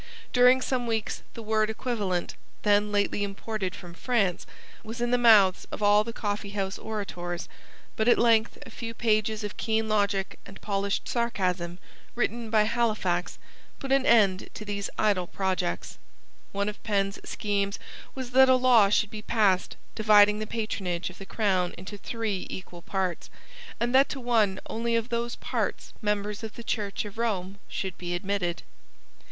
During some weeks the word equivalent, then lately imported from France, was in the mouths of all the coffee house orators, but at length a few pages of keen logic and polished sarcasm written by Halifax put an end to these idle projects. One of Penn's schemes was that a law should be passed dividing the patronage of the crown into three equal parts; and that to one only of those parts members of the Church of Rome should be admitted.